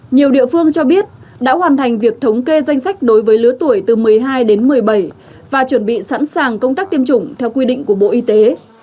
nhiều địa phương cho biết đã hoàn thành việc thống kê danh sách đối với lứa tuổi từ một mươi hai đến một mươi bảy và chuẩn bị sẵn sàng công tác tiêm chủng theo quy định của bộ y tế